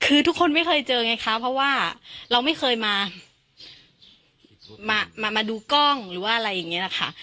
คือทุกคนไม่เคยเจอไงคะเพราะว่าเราไม่เคยมามาดูกล้องหรือว่าอะไรอย่างนี้แหละค่ะ